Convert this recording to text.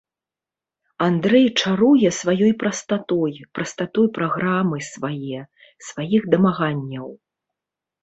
Андрэй чаруе сваёй прастатой, прастатой праграмы свае, сваіх дамаганняў.